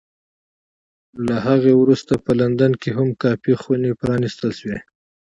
له هغې وروسته په لندن کې هم کافي خونې پرانېستل شوې.